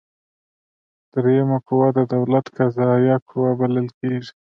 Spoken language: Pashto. دریمه قوه د دولت قضاییه قوه بلل کیږي.